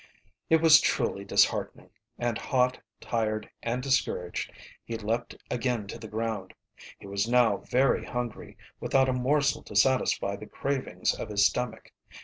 It was truly disheartening, and hot, tired, and discouraged he leaped again to the ground. He was now very hungry, without a morsel to satisfy the cravings of his stomach.